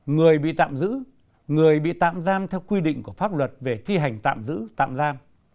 người bị tạm giữ người bị tạm giam theo quy định của pháp luật về thi hành tạm giữ tạm giam